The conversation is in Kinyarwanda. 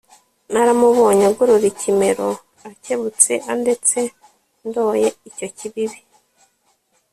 Naramubonye agorora ikimero Akebutse andetse ndoye icyo kibibi